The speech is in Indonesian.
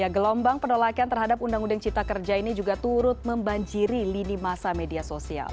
gelombang penolakan terhadap undang undang cipta kerja ini juga turut membanjiri lini masa media sosial